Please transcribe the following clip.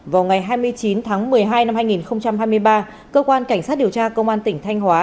vào ngày hai mươi chín tháng một mươi hai năm hai nghìn hai mươi ba cơ quan cảnh sát điều tra công an tỉnh thanh hóa